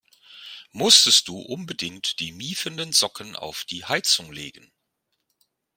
Musstest du unbedingt die miefenden Socken auf die Heizung legen?